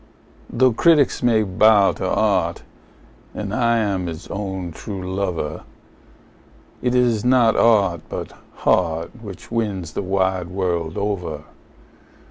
Though critics may bow to art, and I am its own true lover, It is not art, but heart, which wins the wide world over.